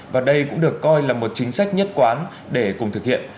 và đây cũng được coi là một chính sách nhất quán để cùng thực hiện